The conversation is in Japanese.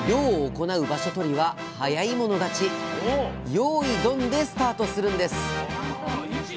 よいどん！でスタートするんです。